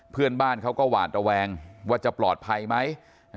เพื่อนบ้านเขาก็หวาดระแวงว่าจะปลอดภัยไหม